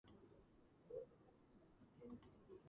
ბელორუსიაში ენობრივი საკითხი არც კი დგას დღის წესრიგში.